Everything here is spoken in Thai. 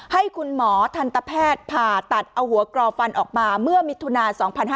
ให้คุณหมอทันตแพทย์ผ่าตัดเอาหัวกรอฟันออกมาเมื่อมิถุนา๒๕๕๙